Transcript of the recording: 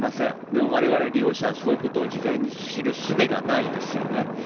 でもわれわれ利用者はそういうことを事前に知るすべがないですよね。